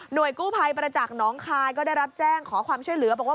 โดยกู้ภัยประจักษ์น้องคายก็ได้รับแจ้งขอความช่วยเหลือบอกว่า